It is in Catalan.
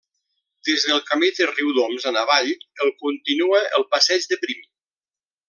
Des del camí de Riudoms en avall el continua el Passeig de Prim.